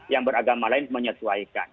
yang beragama lain menyesuaikan